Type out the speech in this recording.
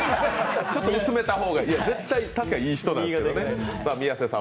ちょっと薄めた方がいい絶対、確かにいい人なんですけどね